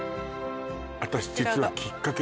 私実はきっかけ